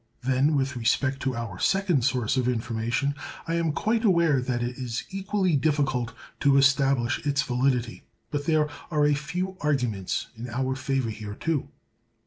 Then, with respect to our second source of information, I am quite aware that it is equally difficult to establish its validity; but there are a few arguments in our favor here, too.